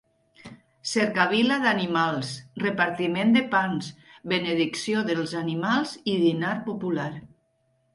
Cercavila d'animals, repartiment de pans, benedicció dels animals i dinar popular.